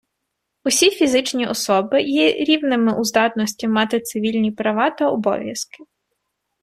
Усі фізичні особи є рівними у здатності мати цивільні права та обов'язки.